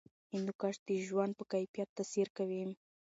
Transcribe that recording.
هندوکش د ژوند په کیفیت تاثیر کوي.